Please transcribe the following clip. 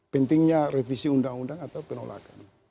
pentingnya revisi undang undang atau penolakan